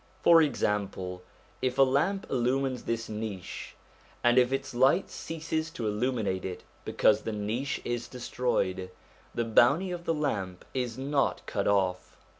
For example, if a lamp illumines this niche, and if its light ceases to illuminate it because the niche is destroyed, the bounty of the lamp is not cut off.